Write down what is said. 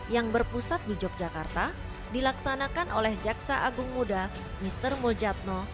yang berpusat di yogyakarta dilaksanakan oleh jaksa agung muda mister mujadno